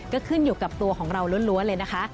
ก็ขึ้นอยู่กับตัวของเราล้วนเลยนะคะ